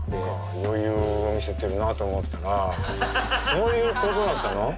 余裕を見せてるなと思ったらそういうことだったの？